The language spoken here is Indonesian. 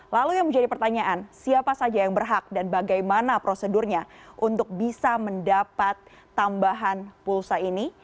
lalu yang menjadi pertanyaan siapa saja yang berhak dan bagaimana prosedurnya untuk bisa mendapat tambahan pulsa ini